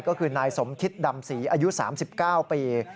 ก็คือนายสมคิตดำศรีอายุ๓๙ปี